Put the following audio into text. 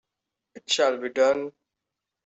It shall be done!